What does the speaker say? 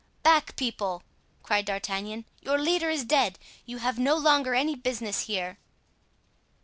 "Back, people!" cried D'Artagnan, "your leader is dead; you have no longer any business here."